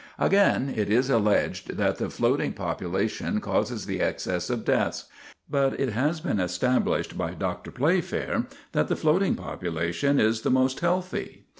[Sidenote: The Floating Population] Again, it is alleged that the floating population causes the excess of deaths. But it has been established by Dr. Playfair that the floating population is the most healthy.